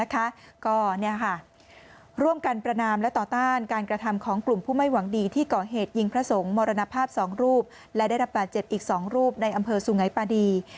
ก็ร่วมกันประนามและต่อต้านการกระทำของกลุ่มผู้ไม่หวังดีที่ก่อเหตุยิงพระสงฆ์มรณภาพ๒รูปและได้รับบาดเจ็บอีก๒รูปในอำเภอสุงัยปาดี